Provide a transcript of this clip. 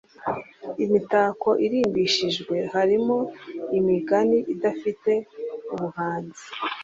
Imitako irimbishijwe harimo imigani idafite ubuhanzi